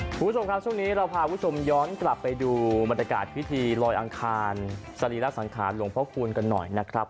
คุณผู้ชมครับช่วงนี้เราพาคุณผู้ชมย้อนกลับไปดูบรรยากาศพิธีลอยอังคารสรีระสังขารหลวงพ่อคูณกันหน่อยนะครับ